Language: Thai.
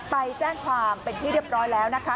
ไปแจ้งความเป็นที่เรียบร้อยแล้วนะคะ